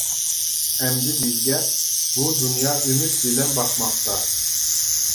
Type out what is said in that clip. ئەمدى بىزگە بۇ دۇنيا ئۈمىد بىلەن باقماقتا.